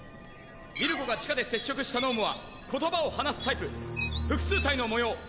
ミルコが地下で接触した脳無は言葉を話すタイプ複数体の模様。